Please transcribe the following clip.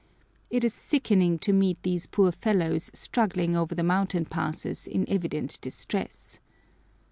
It is sickening to meet these poor fellows struggling over the mountain passes in evident distress.